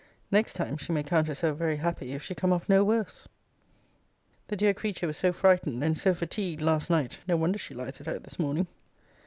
Next time, she may count herself very happy, if she come off no worse. The dear creature was so frightened, and so fatigued, last night, no wonder she lies it out this morning.